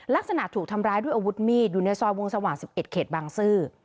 ลักษณะถูกทำร้ายด้วยอาวุธมีดอยู่ในซอยวงสว่าง๑๑เขตบางซื่อ